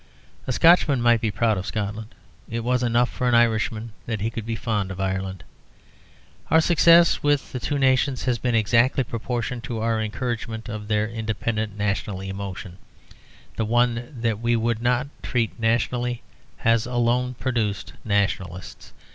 A Scotchman might be proud of Scotland; it was enough for an Irishman that he could be fond of Ireland. Our success with the two nations has been exactly proportioned to our encouragement of their independent national emotion; the one that we would not treat nationally has alone produced Nationalists.